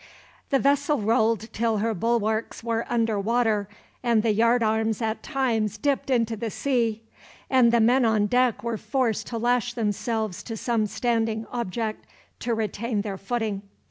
The vessel rolled till her bulwarks were under water, and the yardarms at times dipped into the sea, and the men on deck were forced to lash themselves to some standing object, to retain their footing.